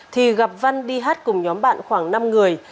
thì gặp văn đi hát cùng nhóm bạn khoảng năm người